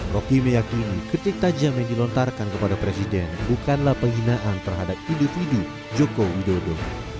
roky meyakini kritik tajam yang dilontarkan kepada presiden bukanlah penghinaan terhadap individu joko widodo